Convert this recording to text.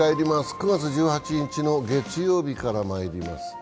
９月１８日の月曜日からまいります。